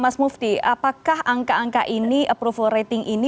mas mufti apakah angka angka ini approval rating ini